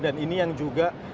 dan ini yang juga